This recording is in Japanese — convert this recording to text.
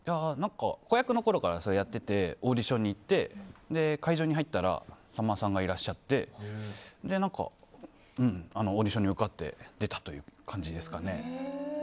子役のころからやっててオーディションに行って会場に入ったらさんまさんがいらっしゃってオーディションに受かって出たという感じですかね。